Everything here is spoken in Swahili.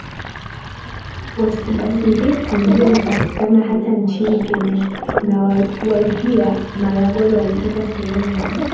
WasubaSimbiti ndio hupatikana hata nchini Kenyana ni Waluhya Maragoli Walitoka sehemu ya